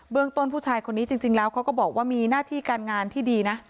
ต้นผู้ชายคนนี้จริงแล้วเขาก็บอกว่ามีหน้าที่การงานที่ดีนะ